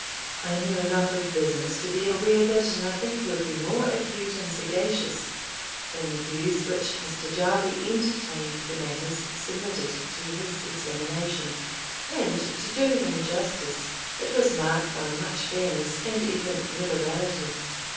I knew enough of business to be aware that nothing could be more acute and sagacious than the views which Mr. Jarvie entertained of the matters submitted to his examination; and, to do him justice, it was marked by much fairness, and even liberality.